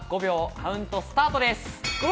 カウントスタートです。